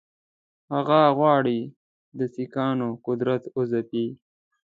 هغه غواړي د سیکهانو قدرت وځپي.